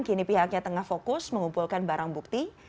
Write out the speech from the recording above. kini pihaknya tengah fokus mengumpulkan barang bukti